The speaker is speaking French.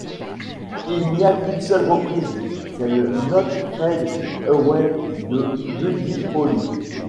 Il n'y a qu'une seule reprise, c'est le Not Fade Away de Buddy Holly.